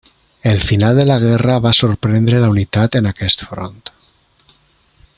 El final de la guerra va sorprendre la unitat en aquest front.